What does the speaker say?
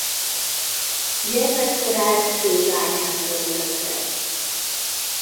Gyermekkorát Kőbányán töltötte.